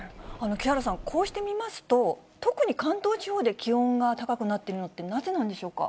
木原さん、こうして見ますと、特に関東地方で気温が高くなっているのって、なぜなんでしょうか。